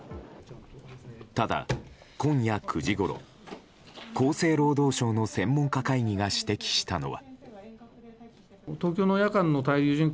ただ、今夜９時ごろ厚生労働省の専門家会議が指摘したのは。